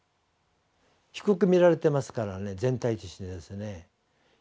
低く見られてますからね全体値としてですね。